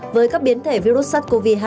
với các biến thể virus sars cov hai